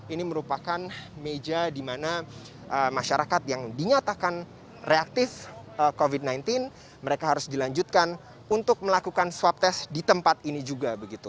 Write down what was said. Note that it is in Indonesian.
ini merupakan meja di mana masyarakat yang dinyatakan reaktif covid sembilan belas mereka harus dilanjutkan untuk melakukan swab tes di tempat ini juga